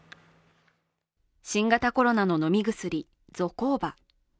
新型コロナの飲み薬、ゾコーバ。